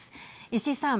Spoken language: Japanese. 石井さん。